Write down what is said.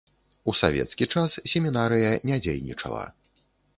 У савецкі час семінарыя не дзейнічала.